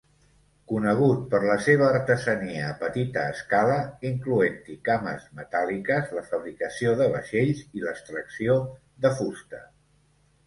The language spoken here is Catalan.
Conegut per la seva artesania a petita escala, incloent-hi cames metàl·liques, la fabricació de vaixells i l'extracció de fusta.